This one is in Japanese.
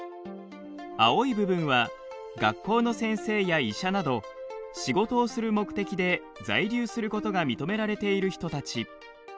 青い部分は学校の先生や医者など仕事をする目的で在留することが認められている人たち。